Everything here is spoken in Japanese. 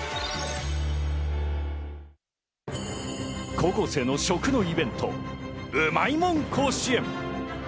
高校生の食のイベント、うまいもん甲子園。